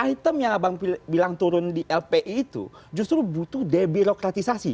item yang abang bilang turun di lpi itu justru butuh debirokratisasi